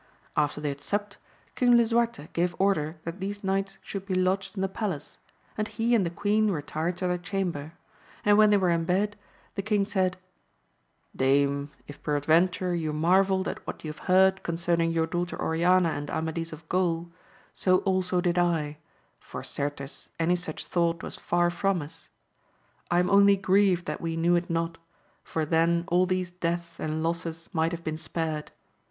After they had supped. King Lisuarte gave order that these knights should be lodged in the palace, and he and the queen retired to their chamber, and when they were in bed the king said, Dame, if peradventure you marvelled at what you have heard concerning your daughter Oriana and Amadis of Gaul, so also did I, for certes any such thought was far from us. I am only grieved that we knew it not, for then all these deaths and losses might have been spared.